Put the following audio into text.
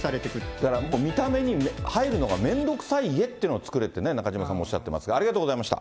だから見た目に入るのが面倒くさい家を作れって、中島さんもおっしゃってますが、ありがとうございました。